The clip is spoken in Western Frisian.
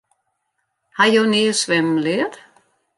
Ha jo nea swimmen leard?